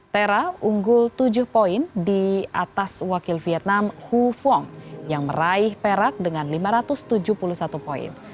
tera unggul tujuh poin di atas wakil vietnam hu fung yang meraih perak dengan lima ratus tujuh puluh satu poin